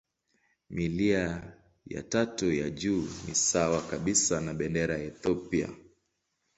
Milia ya tatu ya juu ni sawa kabisa na bendera ya Ethiopia.